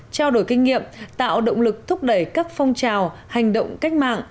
trao đổi kinh nghiệm tạo động lực thúc đẩy các phong trào hành động cách mạng